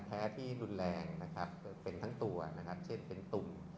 แพ้ที่รุนแรงนะครับเป็นทั้งตัวนะครับเช่นเป็นตุ่ม